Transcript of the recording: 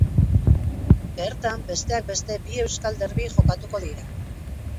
Bertan, besteak beste, bi euskal derbi jokatuko dira.